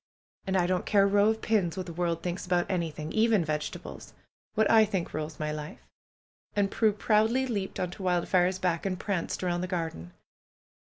And I don't care a row of pins what the world thinks about anything, even vegetables. What I think rules my life." And Prue proudly leaped on to Wildfire's back and pranced around the garden.